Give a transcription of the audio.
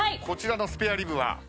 こちらのスペアリブは？